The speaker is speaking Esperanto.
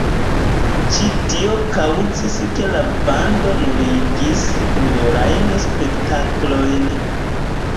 Ĉi tio kaŭzis ke la bando nuligis plurajn spektaklojn.